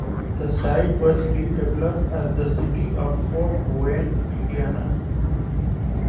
The site was redeveloped as the city of Fort Wayne, Indiana.